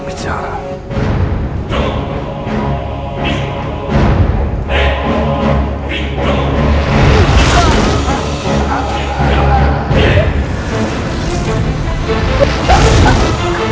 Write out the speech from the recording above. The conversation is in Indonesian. tapi saya ingin banyak bicara